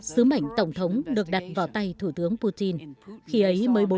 sứ mệnh tổng thống được đặt vào tay thủ tướng putin khi ấy mới bốn mươi tuổi